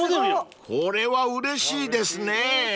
［これはうれしいですね］